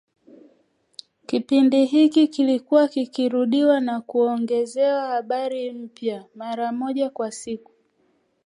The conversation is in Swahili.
Kipindi hiki kilikuwa kikirudiwa na kuongezewa habari mpya, mara moja kwa siku